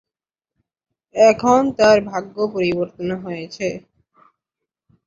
এখন তার ভাগ্য পরিবর্তন হয়েছে।